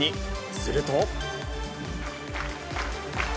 すると。